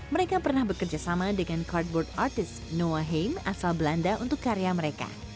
mereka pernah bekerjasama dengan cardboard artist noah heim asal belanda untuk karya mereka